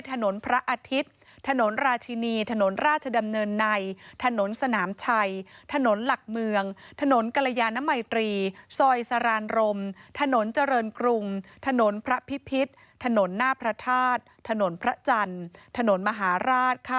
ถนนเศรษฐกาลถนนเชตุพลถนนท้ายวังถนนหน้าพระราณและถนนพระยาเพชรค่ะ